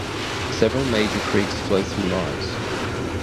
Several major creeks flow through Lawrence.